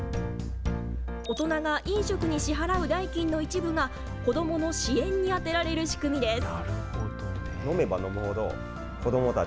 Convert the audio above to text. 大人が飲食に支払う代金の一部が、子どもの支援に充てられる仕組みです。